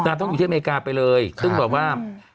ต้องอยู่ที่อเมริกาไปเลยซึ่งแบบว่า